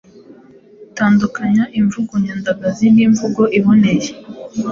Tandukanya imvugo nyandagazi n’imvugo iboneye,